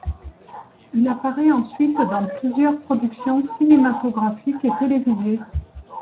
Il apparaît ensuite dans plusieurs productions cinématographiques et télévisées.